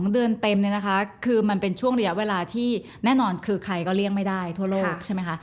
๒เดือนเต็มเนี่ยนะคะคือมันเป็นช่วงระยะเวลาที่แน่นอนคือใครก็เลี่ยงไม่ได้ทั่วโลกใช่ไหมคะ